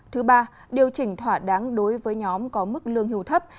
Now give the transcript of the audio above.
thứ ba điều chỉnh thỏa đáng đối với nhóm có mức lương hưu thấp